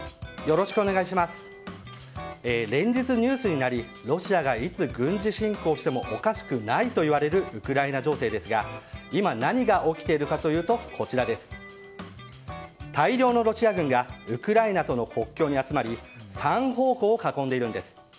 連日ニュースになりロシアが、いつ軍事侵攻してもおかしくないといわれるウクライナ情勢ですが今何が起きているかというと大量のロシア軍がウクライナとの国境に集まり３方向を囲んでいるんです。